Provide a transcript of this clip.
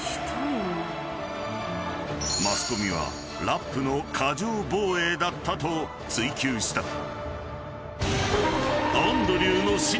［マスコミはラップの過剰防衛だったと追及した］